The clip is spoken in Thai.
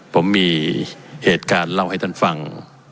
ผมมีเหตุการณ์เล่าให้ท่านฟัง